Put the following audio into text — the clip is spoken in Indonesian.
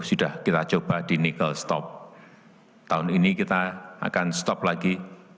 sudah kita coba di nikel stop tahun ini kita akan stop lagi